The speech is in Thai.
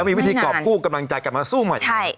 มีวิธีกรอบคู่กำลังใจกลับมาสู้ใหม่